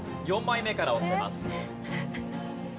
４枚目から押せます。